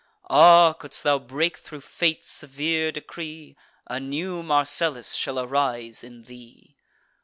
Ah! couldst thou break thro' fate's severe decree, A new Marcellus shall arise in thee!